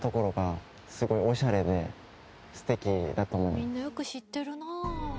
本仮屋：みんなよく知ってるな。